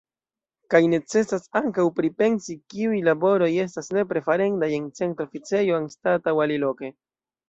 Kaj necesas ankaŭ pripensi, kiuj laboroj estas nepre farendaj en Centra Oficejo anstataŭ aliloke.